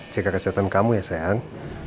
jaga kesehatan kamu ya sayang